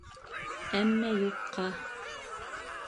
Әммә юҡҡа.